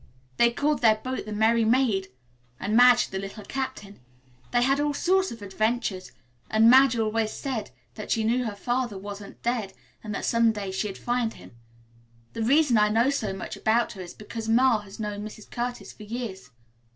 They called their boat the Merry Maid, and Madge, the 'Little Captain.' They had all sorts of adventures, and Madge always said that she knew her father wasn't dead and that some day she'd find him. The reason I know so much about her is because Ma has known Mrs. Curtis for years.